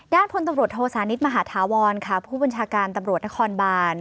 ด้านพลตำรวจโทสานิทมหาธาวรค่ะผู้บัญชาการตำรวจนครบาน